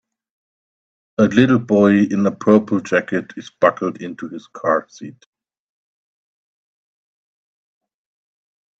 A little boy in a purple jacket is buckled into his car seat.